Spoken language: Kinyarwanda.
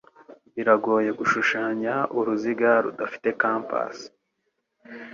Biragoye gushushanya uruziga rudafite compas